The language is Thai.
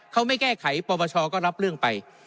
เขาไม่แก้ไขปปชก็รับเรื่องไป